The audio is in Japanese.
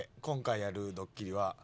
今回やるドッキリは。